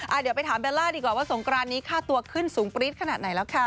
เดี๋ยวไปถามเบลล่าดีกว่าว่าสงกรานนี้ค่าตัวขึ้นสูงปรี๊ดขนาดไหนแล้วค่ะ